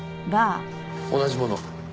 同じものを。